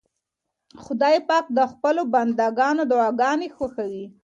خدای پاک د خپلو بندګانو دعاګانې خوښوي.